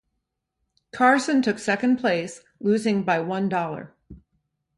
Carson took second place, losing by one dollar.